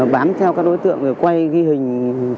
đây là nồng độ cồn của mình nhé